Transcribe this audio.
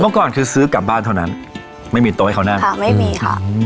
เมื่อก่อนคือซื้อกลับบ้านเท่านั้นไม่มีโต๊ะให้เขานั่งค่ะไม่มีค่ะ